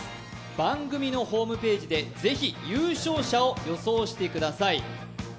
番組のホームページでぜひ優勝者を予想してください。